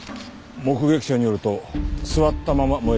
目撃者によると座ったまま燃えたらしい。